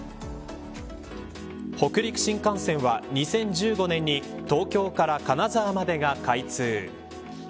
北陸新幹線は、２０１５年に東京から金沢までが開通。